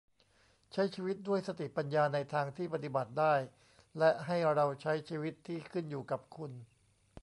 ใช้ชีวิตด้วยสติปัญญาในทางที่ปฏิบัติได้ และให้เราใช้ชีวิตที่ขึ้นอยู่กับคุณ